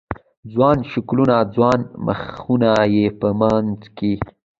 ځوان شکلونه، ځوان مخونه یې په منځ کې